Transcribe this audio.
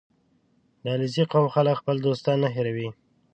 • د علیزي قوم خلک خپل دوستان نه هېروي.